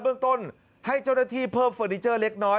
เบื้องต้นให้เจ้าหน้าที่เพิ่มเฟอร์นิเจอร์เล็กน้อย